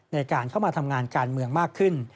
ในการเข้ามาทำงานการเมืองมากขึ้น